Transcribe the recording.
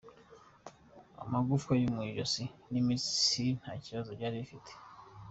Amagufwa yo mu ijosi n’imitsi nta kibazo byari bifite.